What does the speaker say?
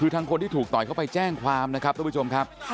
คือทางคนที่ถูกต่อยเข้าไปแจ้งความนะครับทุกผู้ชมครับ